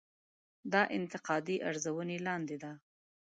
دا انتقادي ارزونې لاندې ده.